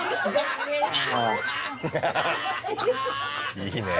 いいね！